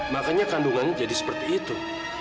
makanya kandungannya jadi seperti itu